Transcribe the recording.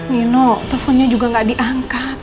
nino teleponnya juga gak diangkat